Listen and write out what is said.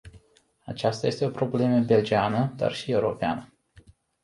Aceasta este o problemă belgiană, dar și europeană.